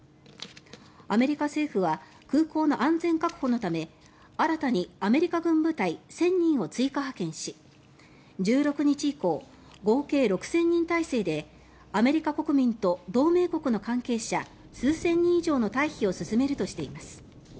アメリカ政府は空港の安全確保のため新たにアメリカ軍部隊１０００人を追加派遣し１６日以降合計６０００人態勢でアメリカ国民と同盟国の関係者数千人以上の退避を進めるとしています。